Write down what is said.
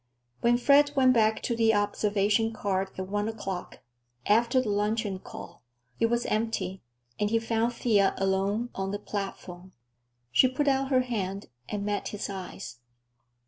When Fred went back to the observation car at one o'clock, after the luncheon call, it was empty, and he found Thea alone on the platform. She put out her hand, and met his eyes.